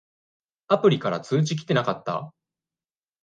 アプリから通知きてなかった？